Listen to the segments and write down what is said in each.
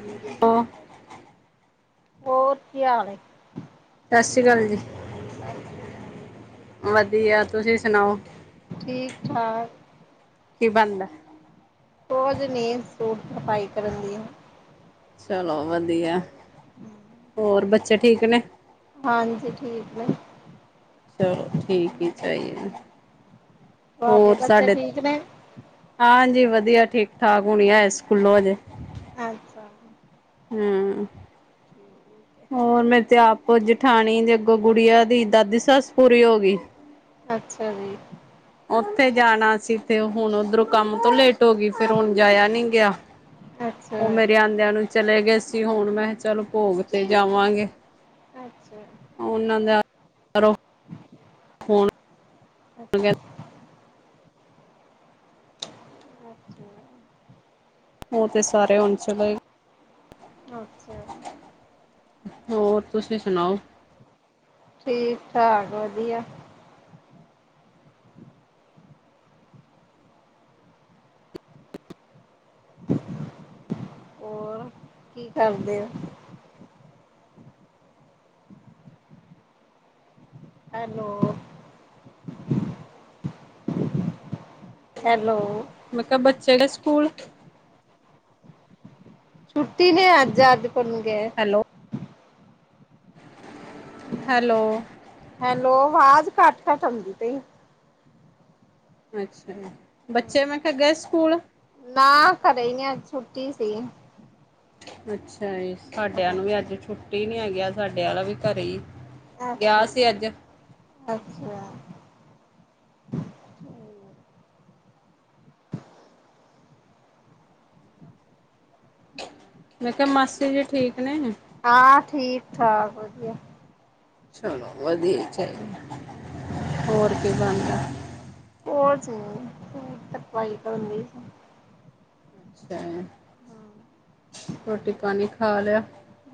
ਠੀਕ ਹੋ। ਹੋਰ ਕੀ ਹਾਲ ਏ। ਸਤਿ ਸ਼੍ਰੀ ਅਕਾਲ ਜੀ। ਸਤਿ ਸ਼੍ਰੀ ਅਕਾਲ ਜੀ। ਵਧੀਆ ਤੁਸੀਂ ਸੁਣਾਓ। ਠੀਕ ਠਾਕ। ਕੀ ਬਨਦਾ। ਕੁਝ ਨਈ ਸੂਟ ਤਰਪਾਈ ਕਰਨ ਦੀ ਆਂ। ਚਲੋ ਵਧੀਆ ਹੋਰ ਬੱਚੇ ਠੀਕ ਨੇ। ਹਾਂਜੀ ਠੀਕ ਨੇ। ਚਲੋ ਠੀਕ ਚਾਹੀਏ ਨੇ। ਤੁਹਾਡੇ ਬੱਚੇ ਠੀਕ ਨੇ। ਹਾਂਜੀ ਵਧੀਆ ਠੀਕ ਠਾਕ ਹੋਣੇ ਆਏ ਸਕੂਲੋਂ ਹਜੇ ਅੱਛਾ ਹੂੰ ਹੋਰ ਮੇਰੇ ਤੇ ਆਪ ਜਠਾਣੀ ਦੇ ਅੱਗੋਂ ਗੁੜੀਆ ਦੀ ਦਾਦੀ ਸੱਸ ਪੂਰੀ ਹੋ ਗਈ। ਅੱਛਾ ਜੀ। ਉੱਥੇ ਜਾਣਾ ਸੀ ਤੇ ਹੁਣ ਓਧਰੋਂ ਕੰਮ ਤੋਂ ਲੇਟ ਹੋ ਗਈ ਫਿਰ ਹੁਣ ਜਾਇਆ ਨੀ ਗਿਆ ਅੱਛਾ, ਅੱਛਾ, ਉਹ ਮੇਰੇ ਆਦਿਆਂ ਨੂੰ ਚਲੇ ਗਏ ਸੀ। ਅ ਹੁਣ ਮੈਂ ਚੱਲ ਭੋਗ ਤੇ ਜਾਵਾਂਗੇ। ਅੱਛਾ। ਉਹਨਾਂ ਦਾ ਹੁਣ ਅੱਛਾ ਕਹਿੰਦੇ ਅੱਛਾ। ਉਹ ਤੇ ਸਾਰੇ ਹੁਣ ਚਲੇ ਅੱਛਾ ਹੋਰ ਤੁਸੀ ਵੀ ਸੁਣਾਓ। ਠੀਕ ਠਾਕ ਵਧੀਆ। ਹੋਰ ਕੀ ਕਰਦੇ ਹੋ। ਹੈਲੋ। ਹੈਲੋ। ਮੈਂ ਕਿਹਾ ਬੱਚੇ ਗਏ ਸਕੂਲ ਛੁੱਟੀ ਨੇ, ਅੱਜ- ਅੱਜ ਪੜਨਗੇ। ਹੈਲੋ। ਹੈਲੋ। ਹੈਲੋ, ਹਾਂ ਆਵਾਜ਼ ਘੱਟ, ਘੱਟ ਆਉਂਦੀ ਪਈ। ਅੱਛਾ, ਬੱਚੇ ਮੈਂ ਕਿਹਾ ਗਏ ਸਕੂਲ। ਨਾ, ਘਰੇ ਨੇ ਅਜ ਛੁੱਟੀ ਸੀ। ਅੱਛਾ ਜੀ, ਸਾਡਿਆਂ ਨੂੰ ਵੀ ਅੱਜ ਛੁੱਟੀ ਨੀ ਹੈਗੀ ਅੱਜ। ਸਾਡੇ ਆਲਾ ਵੀ ਘਰੇ ਹੀ, ਅੱਛਾ ਗਿਆ ਸੀ ਅੱਜ। ਅੱਛਾ। ਮੈਂ ਕਿਹਾ ਮਾਸੀ ਜੀ ਠੀਕ ਨੇ। ਹਾਂ, ਠੀਕ- ਠਾਕ ਵਧੀਆ। ਚਲੋ ਵਧੀਆ ਚਾਹੀਦਾ, ਹੋਰ ਕੀ ਬਣਦਾ। ਹੋਰ ਸੁਣਾਓ [unintelligible] ਅੱਛਾ, ਰੋਟੀ ਪਾਣੀ ਖਾ ਲਿਆ।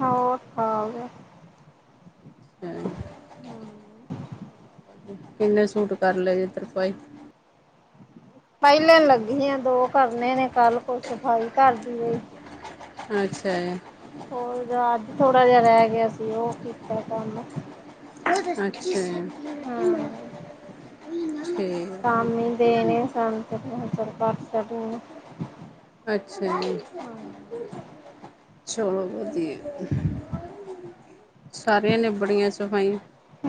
ਹੋਰ, ਖਾ ਲਿਆ ਹੈਂ। ਕਿੰਨੇ ਸੂਟ ਕਰ ਲਏ ਜੇ ਤਰਪਾਈ? ਪਹਿਲੇ ਲੱਗੀ ਆ, ਦੋ ਕਰਨੇ ਨੇ, ਕੱਲ ਕੋਈ ਸਫ਼ਾਈ ਘੱਰ ਦੀ ਔ ਅੱਛਾ ਜੀ। ਹੋਰ ਰਾਤ ਦੀ ਥੋੜਾ ਜਾ ਰੈ ਗਿਆ ਸੀ ਓਹ ਕੀਤਾ ਕੰਮ। ਅੱਛਾ ਜੀ ਹੂੰ, ਠੀਕ ਸਵਾਮੀ ਦੇਣੇ ਸਨ ਫੇਰ ਮੈਂ ਖੈ ਚਲ ਕੱਟ ਸਕੂਂ। ਅੱਛਾ ਜੀ, ਚਲੋ ਵਧੀਐ। ਸਾਰੀਆਂ ਨਿਬੜ ਗਈਆਂ ਸਫਾਈ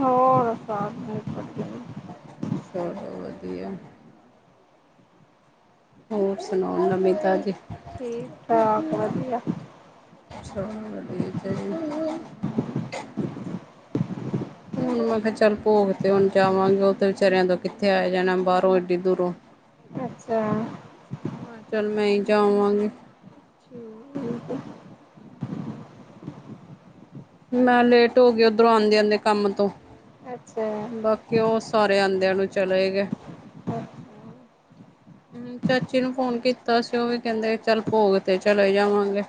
ਹੋਰ ਸਾਬ ਮੂ [unintelligible] ਚਲੋ ਵਧੀਆ। ਹੋਰ ਸੁਣਾਓ, ਨਵੀ-ਤਾਜੀ? ਠੀਕ ਠਾਕ ਵਧੀਆ ਚਲੋ ਵਧੀਆ ਈ ਚਾਈਦਾ ਹੁਣ ਮੈਂ ਕੈ ਚੱਲ ਭੋਗ ਤੇ ਹੁਣ ਜਾਵਾਂਗੇ, ਓਹ ਤੇ ਵਿਚਾਰਿਆਂ ਤੋਂ ਕਿੱਥੇ ਆਯਾ ਜਾਣਾ, ਬਾਰੋਂ ਏਡੀ ਦੂਰੋਂ। ਅੱਛਾ। ਮੈਂ ਚਲ, ਮੈਂ ਈ ਜਾਵਾਂਗੀ। ਠੀਕ, ਠੀਕ ਏ। ਮੈਂ ਲੇਟ ਹੋ ਗਈ ਉੱਧਰੋਂ ਆਂਦੇ ਆਂਦੇ ਕੰਮ ਤੋਂ। ਅੱਛਾ। ਬਾਕੀ ਔ, ਸਾਰੇ ਆਂਦਿਆਂ ਨੂੰ ਚਲੇ ਈ ਗਏ। ਹੂੰ, ਚਾਚੀ ਨੂੰ ਫੋਨ ਕੀਤਾ ਸੀ, ਓਹ ਵੀ ਕੈੰਦੇ ਚੱਲ ਭੋਗ ਤੇ ਚਲੇ ਜਾਵਾਂਗੇ।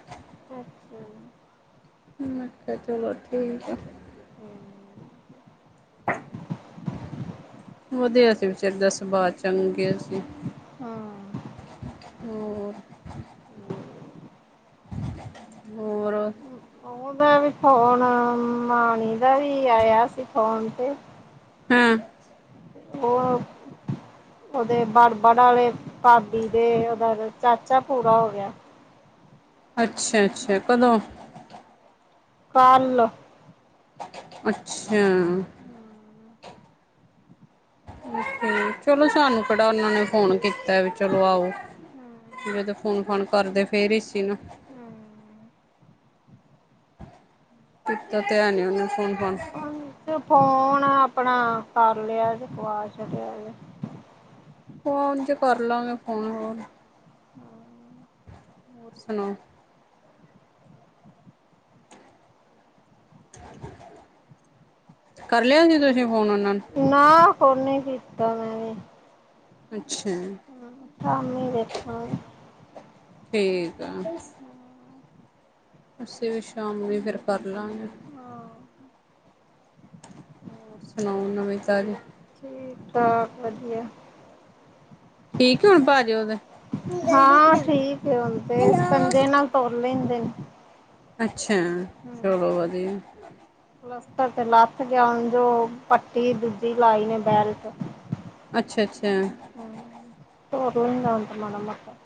ਅੱਛਾ। ਮੈਂ ਕਿਆ, ਚਲੋ ਠੀਕ ਹੈ। ਵਧੀਆ ਸੀ, ਵਿਚਾਰੀ ਦਾ ਸੁਬਾਅ, ਚੰਗੇ ਸੀ। ਹਾਂ। ਹੋਰ। ਨੋਰ ਔ। ਓਹਦਾ ਵੀ ਫੋਨ, ਮਾਣੀ ਦਾ ਵੀ ਆਇਆ ਸੀ ਫੋਨ ਤੇ। ਹਅਂ। ਓਹ ਓਦੇ ਬੜਬੜ ਆਲੇ, ਭਾਬੀ ਦੇ ਓਦਾ ਚਾਚਾ ਪੂਰਾ ਹੋ ਗਿਆ। ਅੱਛਾ ਅੱਛਾ, ਕਦੋਂ? ਕਲ। ਅੱਛਾ। ਚਲੋ ਸਾਨੂੰ ਕੇੜਾ ਓਨਾਂ ਨੇ ਫੋਨ ਕੀਤੈ ਵੀ ਚਲੋ ਆਓ। ਜਿਵੇ ਤੇ ਫੋਨ-ਫਾਨ ਕਰਦੇ ਫੇਰ ਈ ਸੀ ਨਾ। ਹੂੰ। ਕੀਤਾ ਤੇ ਹੈ ਨੀ ਓਨੇ ਫੋਨ-ਫਾਨ। ਤੂ ਫੋਨ ਅਪਣਾ ਕਰ ਲਿਆ ਜੇ ਫਵਾ ਛਡਿਆ ਜੇ। ਫੋਨ 'ਚ ਕਰ ਲਾਂਗੇ, ਫੋਨ ਹੋਰ। ਹੋਰ ਸੁਣਾਓ? ਕਰ ਲਿਆ ਸੀ ਤੁਸੀਂ ਫੋਨ ਉਨਾਂ ਨੂੰ? ਨਾ ਕੋਨੀ ਕੀਤਾ ਮੈਂ ਵੀ। ਅੱਛਾ ਜੀ। ਹੂੰ, ਸ਼ਾਮੀ ਵੇਖੋ। ਠੀਕ ਆ। ਅਸੀਂ ਵੀ ਸ਼ਾਮੀ, ਫੇਰ ਕਰ ਲਾਂਗੇ। ਹੋਰ ਹਾਂ। ਹੋਰ ਸੁਣਾਓ, ਨਵੀਂ- ਤਾਜੀ। ਠੀਕ ਠਾਕ ਵਧੀਆ। ਠੀਕ ਏ ਹੁਣ ਪਾਜੀ ਉਹਦੇ। ਹਾਂ ਠੀਕ ਹੁਣ ਦੇ, ਹੈਲੋ ਸਕੰਜੇ ਨਾਲ ਤੁਰ ਲੈਂਦੇ ਨੇ। ਅੱਛਾ, ਹਮ ਚਲੋ ਵਧੀਆ। ਪਲਸਤਰ ਤੇ ਲੱਥ ਗਿਆ ਹੁਣ, ਜੋ ਪੱਟੀ ਦੂਜੀ ਲਾਈ ਨੇ ਬੈਲ ਤੇ ਅੱਛਾ- ਅੱਛਾ। ਸੋ ਰੋਲਿੰ ਉਂ ਮੈਡਮ ਮਤ। [unintelligible]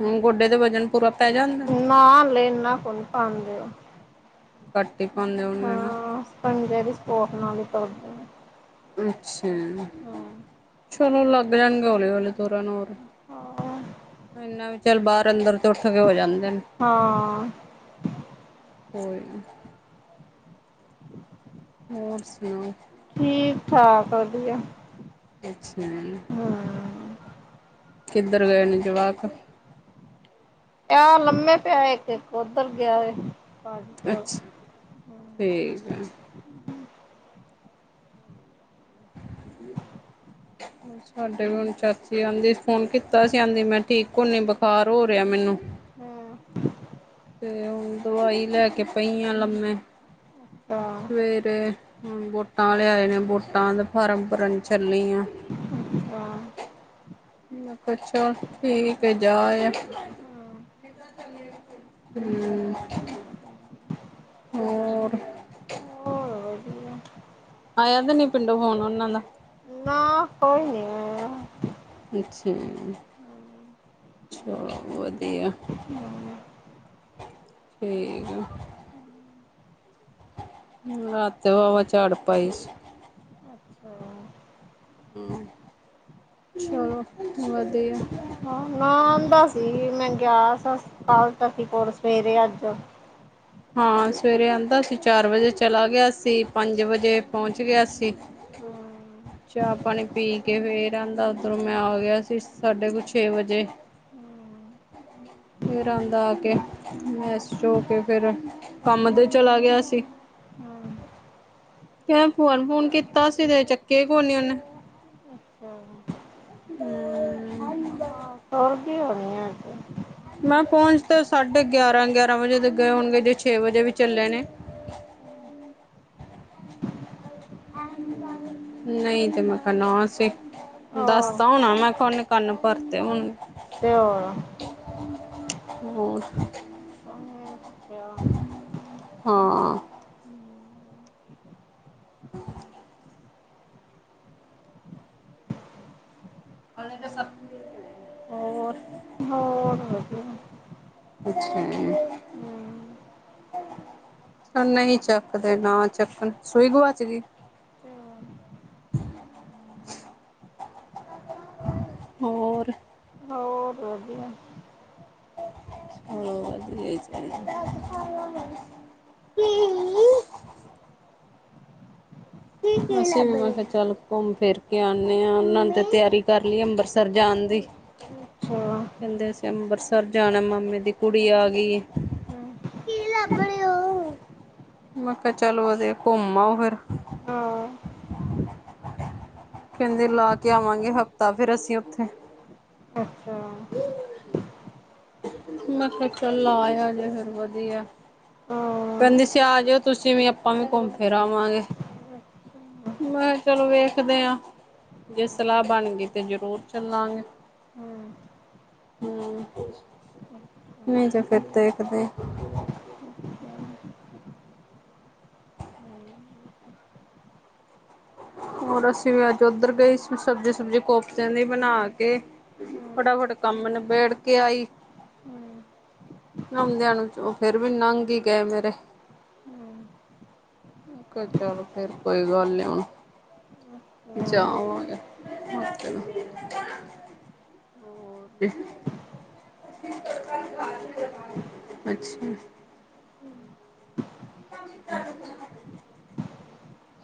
ਹੁਣ ਗੋਡੇ ਦੇ ਵਜਨ ਪੂਰਾ ਪੈ ਜਾਂਦਾ। ਨਾ ਲੇਨਾ ਕੁਨ ਪਾਉਂਦੇਓ। ਕੱਟ ਹੀ ਪਾਉਂਦੇ ਹੋਣੀ ਨਾ। ਪੰਜੇ ਦੀ ਸਪੋਰਟ ਨਾਲ ਤੁਰਦੇ ਅੱਛਾ, ਚਲੋ ਲੱਗ ਜਾਣਗੇ ਹੌਲੇ- ਹੌਲੇ। ਤੁਰਨਰ, ਹਾਂ ਇਨਾ ਵੀ ਚੱਲ ਬਾਹਰ ਅੰਦਰ ਤੱਠ ਕੇ ਹੋ ਜਾਂਦੇ ਨੇ, ਹਾਂ ਕੋਈ ਨੀ। ਹੋਰ ਸੁਣਾੳ। ਠੀਕ ਠਾਕ ਵਧੀਆ। ਅੱਛਾ ਜੀ। ਹਮ। ਕਿੱਧਰ ਗਏ ਨੇ ਜਵਾਕ। ਆਹ ਲੰਮੇ ਪਿਆ, ਇੱਕ, ਇੱਕ ਉੱਧਰ ਗਿਆ। ਹਮ ਅੱਛਾ, ਠੀਕ ਹੈ। ਹਾਂਜੀ। ਸਾਡੇ ਵੀ ਹੁਣ ਚਾਚੀ ਆਂਦੀ, ਫੋਨ ਕੀਤਾ ਸੀ ਆਂਦੀ ਮੈਂ ਠੀਕ ਹੁੰਨੀ ਬੁਖਾਰ ਹੋ ਰਿਹਾ ਮੈਨੂੰ। ਹਮ। ਤੇ ਹੁ ਦਵਾਈ ਲੈ ਕੇ ਪਈਆਂ ਲੰਮੇ, ਹਾਂ ਸਵੇਰੇ ਤੇ ਹੁਣ ਵੋਟਾਂ ਆਲੇ ਆਏ ਨੇ, ਵੋਟਾਂ ਦੇ ਫਾਰਮ ਭਰਨ ਚੱਲੀ ਆਂ। [unintelligible] ਮੈਂ ਕਿਹਾ ਚੱਲ ਠੀਕ ਏ, ਜਾ ਆ। ਹਮ। ਹੋਰ। ਵਧੀਆ ਆਇਆ ਤੇ ਨੀ ਪਿੰਡੋ ਫੋਣ ਉਹਨਾਂ ਦਾ? ਨਾ [unintelligible] [unintelligible] [inaudible] ਚਲੋ ਵਧੀਆ, ਠੀਕ ਆ। ਰਾਤ [unintelligible] ਝਾੜ ਪਾਈ ਸੀ। ਅੱਛਾ। ਹਮ, ਚਲੋ ਵਧੀਆ। ਨਾਮ ਦਾ ਸੀ ਮੈ ਗਿਆ ਸੀ [unintelligible] ਕੋਲ ਸਵੇਰੇ ਅੱਜ। ਹਾਂ, ਸਵੇਰੇ ਆਉਂਦਾ ਸੀ, ਚਾਰ ਵਜੇ ਚਲਾ ਗਿਆ ਸੀ, ਪੰਜ ਵਜੇ ਪਹੁੰਚ ਗਿਆ ਸੀ। ਚਾਹ-ਪਾਣੀ ਪੀ ਕੇ ਫੇਰ ਆਹੰਦਾ ਉਰੋਂ ਮੈਂ ਆ ਗਿਆ ਸੀ, ਸਾਡੇ ਕੁਲ ਛੇ ਵਜੇ। ਫਿਰ ਆਉਂਦਾ ਆ ਕੇ ਫ਼੍ਰੇਸ਼ ਹੋ ਕੇ ਫੇਰ ਕੰਮ ਤੇ ਚਲਾ ਗਿਆ ਸੀ। ਹਮ। ਕ ਫੋਨ-ਫੁਣ ਕੀਤਾ ਸੀ, ਤੇ ਚੱਕਿਆ ਹੀ ਕੋ ਨੀ ਉਹਨੇ। [unintelligible] [unintelligible] [unintelligible] ਦੀ ਹੋਣੀ ਆ ਅੱਜ। ਮੈਂ ਪਹੁੰਚ ਤਾਂ ਸਾਢੇ ਗਿਆਰਾਂ-ਗਿਆਰਾਂ ਵਜੇ ਤੋਂ ਗਏ ਹੋਣਗੇ, ਜੇ ਛੇ ਵਜੇ ਵੀ ਚੱਲੇ ਨੇ। ਨਹੀਂ ਤੇ ਮੈਂ ਕਿਹਾ ਨਾ ਸੀ। ਆਹ ਦੱਸਤਾ ਹੋਣਾ ਮੈਂ [inaudible] ਕੰਨ ਭਰਤੇ ਹੋਣੇ। ਤੇ ਹੋਰ। ਹੋਰ। [unintelligible] ਹਾਂ। [unintelligible] ਹਲੇ ਤਾਂ ਸਭ [unintelligible] ਹੋਰ। ਹਮ- ਹਮ। ਅੱਛਾ ਜੀ। ਹਮ ਨਹੀਂ ਚੱਕਦੇ ਨਾ ਚੱਕਣ। ਸੂਈ ਗਆਚ ਗਈ? ਹੋਰ? ਹੋਰ ਵਧੀਆ। [unintelligible] ਅਸੀਂ ਮ ਕਿਹਾ ਚੱਲ ਘੁੰਮ ਫਿਰ ਕੇ ਆਉਦੇ ਹਾਂ, ਉਹਨਾਂ ਨੇ ਤੇ ਤਿਆਰੀ ਕਰ ਲਈ ਅੰਮ੍ਰਿਤਸਰ ਜਾਣ ਦੀ। ਅੱਛਾ ਕਹਿੰਦੇ ਅਸੀਂ ਅੰਮ੍ਰਿਤਸਰ ਜਾਣਾ ਮਾਮੇ ਦੀ ਕੁੜੀ ਆ ਗਈ। ਕੀ ਲੱਭ ਰਹੇ ਓ। ਮੈਂ ਕਿਹਾ ਚਲੋ ਘੁੰਮ ਆਓ ਫਿਰ। ਹਾਂ। ਕਹਿੰਦੇ ਲਾ ਕੇ ਆਵਾਂਗੇ ਹਫ਼ਤਾ, ਫੇਰ ਅਸੀਂ ਉੱਥੇ। ਅੱਛਾ। ਮੈਂ ਕਿਹਾ ਚਲ, ਆ ਆਜੇ ਫਿਰ ਵਧੀਆ। ਹਾਂ ਕਹਿੰਦੀ ਸੀ ਆ ਜਾਇਓ ਤੁਸੀਂ ਵੀ, ਆਪਾਂ ਵੀ ਘੁੰਮ ਫਿਰ ਆਵਾਂਗੇ। ਮੈਂ ਕਿਹਾ, ਚਲੋ ਵੇਖਦੇ ਹਾਂ। ਜੇ ਸਲਾਹ ਬਣ ਗਈ, ਤੇ ਜਰੂਰ ਚੱਲਾਂਗੇ। ਹਾ, ਨਹੀਂ ਤੇ ਫਿਰ ਦੇਖਦੇ। ਹੋਰ ਅਸੀਂ ਵੀ ਅੱਜ ਉੱਧਰ ਗਏ ਸੀ, ਸਬਜ਼ੀ- ਸਬਜ਼ੀ ਕੋਫਤਿਆਂ ਦੀ ਬਣਾ ਕੇ। ਫਟਾਫਟ ਕੰਮ ਨਿਬੇੜ ਕੇ ਆਈ। ਹਮ। ਆਉਂਦਿਆਂ ਨੂੰ ਫੇਰ ਵੀ ਨੰਘ ਹੀ ਗਏ ਮੇਰੇ। ਮੈੰ ਕਿਹਾ ਚੱਲੋ, ਫੇਰ ਕੋਈ ਗੱਲ ਨੀ ਹੁਣ। ਜਾ ਆਵਾਂਗੇ, ਓਕੇ। ਹੋਰ ਤੇ। ਅੱਛਾ।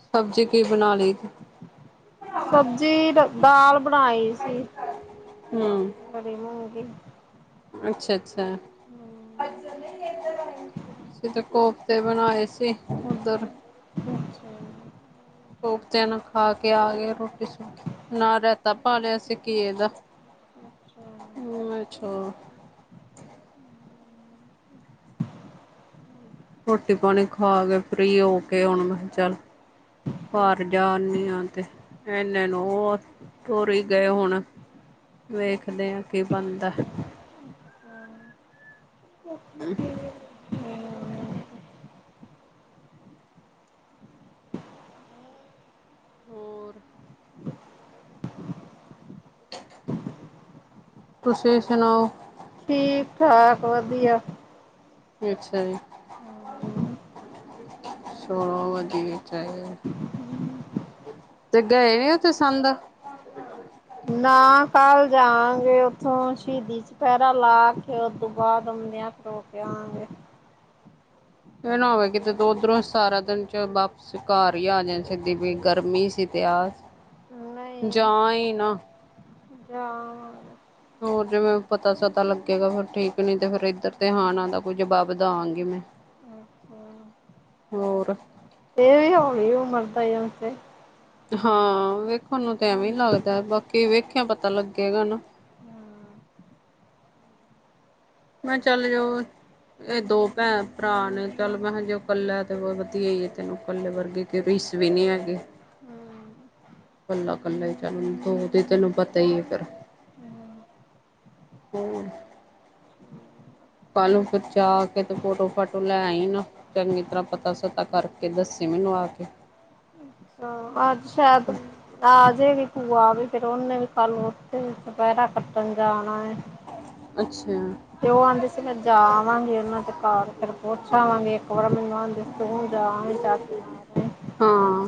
ਸਬਜ਼ੀ ਕੀ ਬਣਾ ਲਈ। ਸਬਜ਼ੀ, ਦਾਲ ਬਣਾਈ ਸੀ, ਹੂੰ ਰਾਤੀ ਹਰੀ ਮੂੰਗੀ। ਅੱਛਾ -ਅੱਛਾ। ਅਸੀਂ ਤੇ ਕੋਫਤੇ ਬਣਾਏ ਸੀ, ਉਧਰ। ਅੱਛਾ। ਕੋਫਤਿਆਂ ਨਾਲ ਖਾ ਕੇ ਆ ਕੇ ਰੋਟੀ ਸੁੂਖੀ। ਨਾ ਰਹਿਤਾ ਪਾ ਲਿਆ ਸੀ ਘੀਏ ਦਾ, ਮੈਂ ਕਿਹਾ ਛੋੜ। ਰੋਟੀ ਪਾਣੀ ਖਾ ਕੇ ਫਰੀ ਹੋ ਕੇ, ਹੁਣ ਮੈਂ ਕਿਹਾ ਚੱਲ। ਭਰ ਜਾਦੀ ਆ ਤੇ, ਇਹਨੇ ਨੂੰ ਉਹ। ਤੋਰੀ ਗਏ ਹੁਣ, ਵੇਖਦੇ ਆ, ਕੀ ਬਣਦਾ। ਕੀ‌ ਹੋਰ। [inaudible] ਤੁਸੀ ਸੁਣਾਉ। ਠੀਕ- ਠਾਕ ਵਧੀਆ। ਅੱਛਾ ਜੀ, ਚਲੋ ਵਧੀਆ ਚਾਹੀ। ਤੇ ਗਏ ਨੀ ਉਹਥੇ ਸੰਦ। ਨਾ ਕੱਲ ਜਾਵਾਂਗੇ ਉੱਥੋਂ, ਸ਼ਹੀਦੀ ਚੁਪਹਿਰਾ ਲਾ ਕੇ ਉਸਤੋ ਬਾਅਦ ਆਉਂਦੇ ਹਾਂ। ਹੋ ਕੇ ਆਵਾਂਗੇ। ਇਹ ਨਾ ਹੋਵੇ ਕਿਤੇ ਦੋ ਉੱਧਰੋਂ ਸਾਰਾ ਦਿਨ ਚ ਵਾਪ ਕੇ ਘਰ ਹੀ ਆ ਜਾ ਸਿੱਧ ਵੀ ਗਰਮੀ ਸੀ ਤਾ, ਜਾ ਹੀ ਨਾ। ਆ [unintelligible] ਹੋਰ ਜੇ ਮੈ ਪਤਾ ਸਤਾ ਲੱਗੇਗਾ ਫਿਰ ਠੀਕ ਨੀ ਤੇ ਫਿਰ ਇੱਧਰ ਤੇ ਹ ਨਾ ਦਾ ਕੋਈ ਜਵਾਬ ਦਾਗੀ ਮੈਂ। ਹੋਰ ਤੇ ਵੀ ਹੋ ਵੀ ਮਰਦਾ ਉਹਦੇ ਤੇ ਹਾਂ, ਵੇਖਣ ਨੂੰ ਤਾਂ ਐਵੇਂ ਹੀ ਲੱਗਦਾ, ਬਾਕੀ ਵੇਖਿਆ ਪਤਾ ਲੱਗੇਗਾ ਨਾ। ਮੈਂ ਚੱਲ ਜਾਓ। ਇਹ ਦੋ ਭੈਣ ਭਰਾ ਨੇ, ਚੱਲ ਮੈਂ ਕਿਹਾ ਜੇ ਕੱਲਾ ਤੇ ਵਧੀਆਈ ਹੈ ਤੈਨੂੰ ਕੱਲੇ ਵਰਗੀ [unintelligible] ਹੇਗੇ ਬੰਦਾ ਇਕੱਲਾ ਚੰਗਾ, ਦੋ ਤੇ ਤੈਨੂੰ ਪਤਾ ਹੀ ਹੈ ਫੇਰ ਹੂ ਪਾਲੋ ਫਿਰ ਜਾ ਫੋਟੋ- ਫਾਟੋ ਲੈ ਆਈ ਨਾ। ਚੰਗੀ ਤਰ੍ਹਾਂ ਪਤਾ- ਸਤਾ ਕਰਕੇ ਦੱੱਸ ਮੈਨੂੰ ਆ ਕੇ। ਹਹ ਅੱਜ ਸ਼ਾਇਦ ਆਜੇ ਵੀ ਭੂਆ ਵੀ ਫਿਰ ਉਹਨੇ ਵੀ ਕੱਲ ਉਥੇ ਵੀ ਚਪਹਿਰਾ ਕੱਟਣ ਜਾਣਾ। ਅੱਛਾ। ਤੇ ਉਹ ਆਉਂਦੀ ਸੀ ਮੈਂ ਜਾ ਆਵਾਂਗੀ ਉਹਨਾਂ ਦੇ ਘਰ ਫਿਰ ਪੁੱਛ ਆਵਾਂਗੇ ਇੱਕ ਵਾਰ ਮਿਲਾਂਗੇ। ਤੂੰ ਜਾਵੀ ਤੱਕ ਹਾਂ।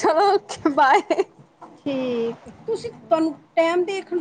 ਚਲੋ ਬਾਏ। ਠੀਕ। ਤੁਸੀਂ, ਤੁਹਾਨੂੰ ਟੈਮ ਦੇਖ